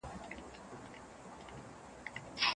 ایا بزدله سړی جنګ ګټلی سي؟